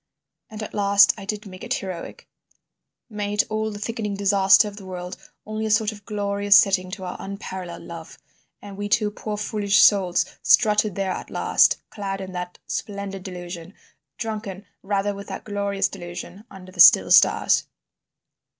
And at last I did make it heroic, made all the thickening disaster of the world only a sort of glorious setting to our unparalleled love, and we two poor foolish souls strutted there at last, clad in that splendid delusion, drunken rather with that glorious delusion, under the still stars.